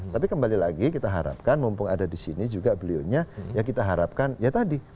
tapi kembali lagi kita harapkan mumpung ada di sini juga beliaunya ya kita harapkan ya tadi